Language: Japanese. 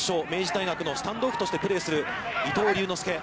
明治大学のスタンドオフとしてプレーする伊藤龍之介。